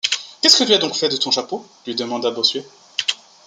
Qu’est-ce que tu as donc fait de ton chapeau ? lui demanda Bossuet.